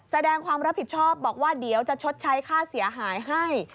แสดงความรับผิดชอบบอกว่าเดี๋ยวจะชดใช้ค่าเสียหายให้